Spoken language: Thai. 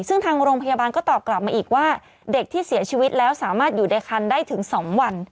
ซึ่งทางโรงพยาบาลก็ตอบกลับมาอีกว่าเด็กที่เสียชีวิตแล้วสามารถอยู่ในคันได้ถึง๒วัน